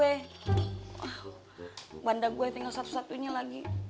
wah bandang gue tinggal satu satunya lagi